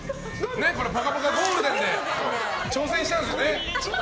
「ぽかぽかゴールデン」で挑戦したんですよね。